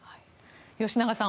吉永さん